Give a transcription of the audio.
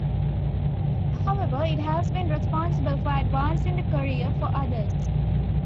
However, it has been responsible for advancing the career for others.